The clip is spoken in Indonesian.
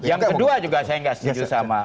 nah yang kedua juga saya gak setuju sama